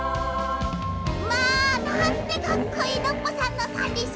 まあなんてかっこいいノッポさんのさんりんしゃ。